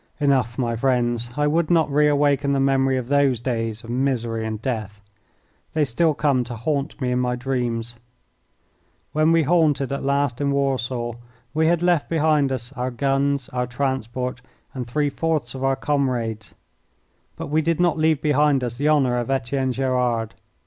Enough, my friends; I would not re awaken the memory of those days of misery and death. They still come to haunt me in my dreams. When we halted at last in Warsaw we had left behind us our guns, our transport, and three fourths of our comrades. But we did not leave behind us the honour of Etienne Gerard.